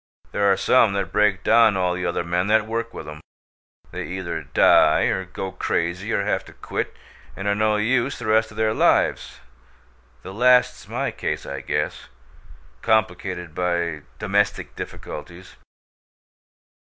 There are some that break down all the other men that work with 'em. They either die, or go crazy, or have to quit, and are no use the rest of their lives. The last's my case, I guess 'complicated by domestic difficulties'!"